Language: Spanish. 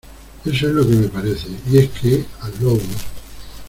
eso es lo que me parece. y es que, al lobo